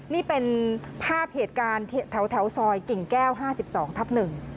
นี่เป็นภาพเหตุการณ์แถวแถวซอยกิ่งแก้วห้าสิบสองทับหนึ่ง